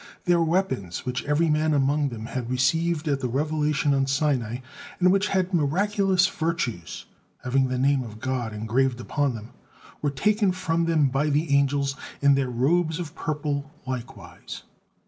Their weapons, which every man among them had received at the revelation on Sinai, and which had miraculous virtues, having the name of God engraved upon them, were taken from them by the angels, and their robes of purple likewise.